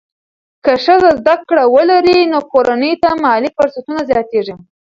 که ښځه زده کړه ولري، نو کورنۍ ته مالي فرصتونه زیاتېږي.